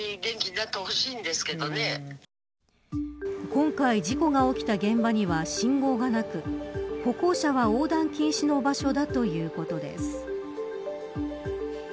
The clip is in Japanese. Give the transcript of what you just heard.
今回事故が起きた現場には信号がなく歩行者は横断禁止の場所だということです。